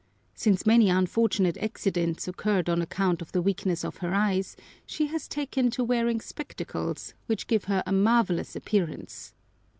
Since many unfortunate accidents occurred on account of the weakness of her eyes, she has taken to wearing spectacles, which give her a marvelous appearance.